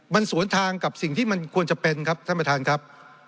มันสวนทางกับความควรจะเป็นท่านประทานครับ